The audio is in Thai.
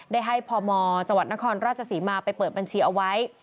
ได้ให้พมจังหวัดนครราชศรีมาไปเปิดบัญชีเอาไว้